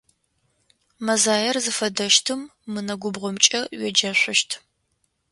Мэзаер зыфэдэщтым мы нэгубгъомкӏэ уеджэшъущт.